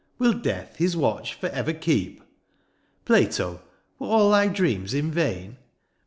" Will death his watch for ever keep ?^^ Plato, were all thy dreams in vain